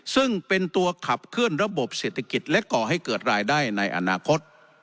ซึ่งเป็นตัวขับเคลื่อนระบบเศรษฐกิจและก่อให้เกิดรายได้ในอนาคต